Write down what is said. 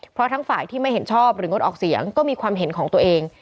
เพราะทั้งฝ่ายที่ไม่เห็นชอบหรืองดออกเสียงก็มีความเห็นของตัวเอง